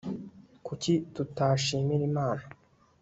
kuki tutashimira imana